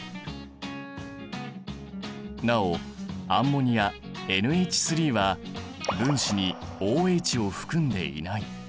なおアンモニアＮＨは分子にＯＨを含んでいない。